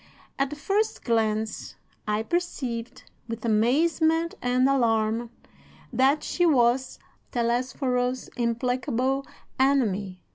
"At the first glance I perceived, with amazement and alarm, that she was Telesforo's implacable enemy.